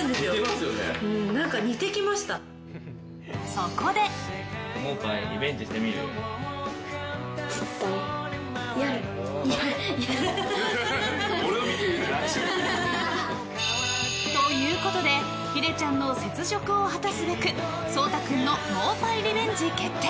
そこで。ということでヒデちゃんの雪辱を果たすべく蒼太君の盲牌リベンジ決定。